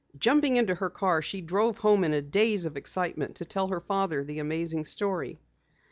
Jumping into her car, she drove home in a daze of excitement, to tell her father the amazing story.